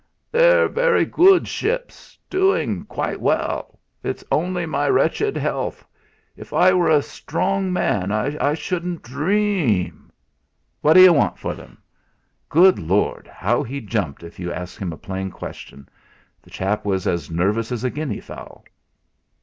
"They're very good ships doing quite well. It's only my wretched health. If I were a strong man I shouldn't dream...." "What d'you want for 'em?" Good Lord! how he jumped if you asked him a plain question. The chap was as nervous as a guinea fowl!